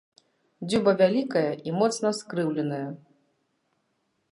Дзюба вялікая і моцна скрыўленая.